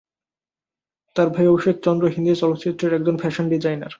তার ভাই অভিষেক চন্দ্র হিন্দি চলচ্চিত্রের একজন ফ্যাশন ডিজাইনার।